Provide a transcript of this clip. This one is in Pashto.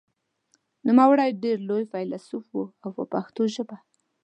نوموړی ډېر لوی فیلسوف و په پښتو ژبه.